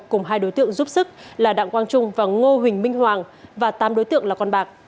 cùng hai đối tượng giúp sức là đặng quang trung và ngô huỳnh minh hoàng và tám đối tượng là con bạc